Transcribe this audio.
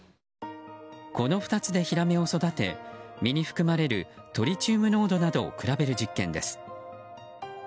この２つでヒラメを育て身に含まれるトリチウム濃度などを比べる実験です。